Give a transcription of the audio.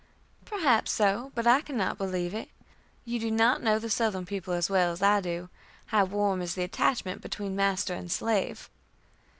"Perhaps so, but I cannot believe it. You do not know the Southern people as well as I do how warm is the attachment between master and slave."